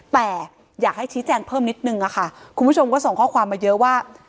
แต่อยากให้ชี้แจงเพิ่มนิดนึงค่ะคุณผู้ชมก็ส่งข้อความมาเยอะว่า